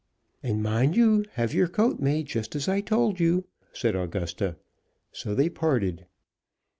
"And mind you have your coat made just as I told you," said Augusta. So they parted.